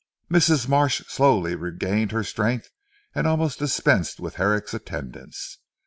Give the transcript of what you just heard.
Mrs. Marsh slowly regained her strength, and almost dispensed with Herrick's attendance.